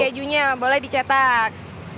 kejunya boleh dicetak